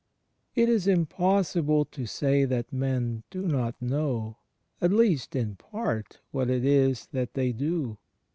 It is impossible to say that men do not know, at least in part, what it is that they do.